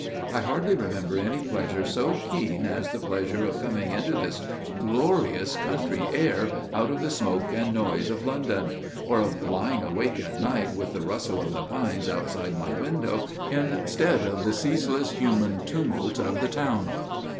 I hardly remember any pleasure so keen as the pleasure of coming into this glorious country air out of the smoke and noise of London––or of lying awake at night with the rustle of the pines outside my window instead of the ceaseless human tumult of the town.